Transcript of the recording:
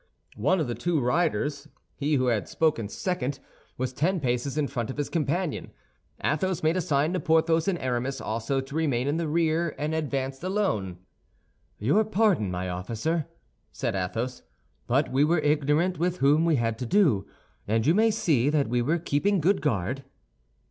One of the two riders, he who had spoken second, was ten paces in front of his companion. Athos made a sign to Porthos and Aramis also to remain in the rear, and advanced alone. "Your pardon, my officer," said Athos; "but we were ignorant with whom we had to do, and you may see that we were keeping good guard."